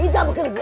ayo kita bekerja